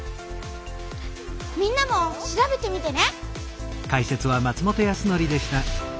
みんなも調べてみてね！